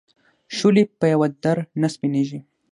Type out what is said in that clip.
شولې په یوه در نه سپینېږي.